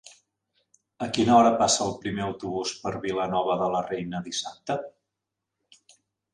A quina hora passa el primer autobús per Vilanova de la Reina dissabte?